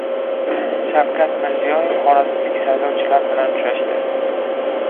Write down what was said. Shavkat Mirziyoyev xorazmlik saylovchilar bilan uchrashdi